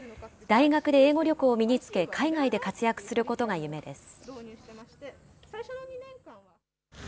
大学で英語力を身につけ、海外で活躍することが夢です。